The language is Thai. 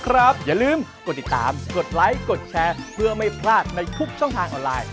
แล้วก็ไม่พลาดในทุกช่องทางออนไลน์